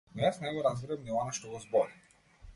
Но јас не го разбирам ни она што го збори!